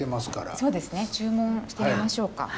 そうですね注文してみましょうか。